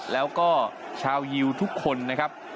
แล้วก็ชาวยิวทุกคนนะครับ